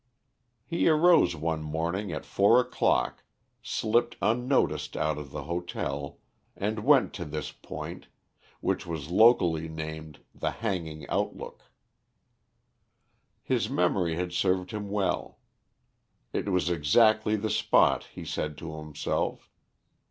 He arose one morning at four o'clock, slipped unnoticed out of the hotel, and went to this point, which was locally named the Hanging Outlook. His memory had served him well. It was exactly the spot, he said to himself.